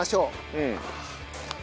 うん。